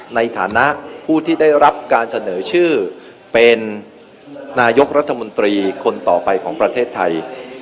ในฐานะผู้ที่ได้รับการเสนอชื่อเป็นนายกรัฐมนตรีคนต่อไปของประเทศไทย